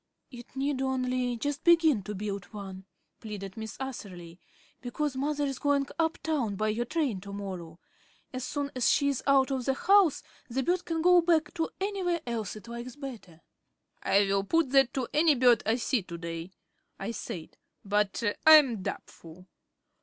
"It need only just begin to build one," pleaded Miss Atherley, "because Mother's going up town by your train to morrow. As soon as she's out of the house the bird can go back to anywhere else it likes better." "I will put that to any bird I see to day," I said, "but I am doubtful."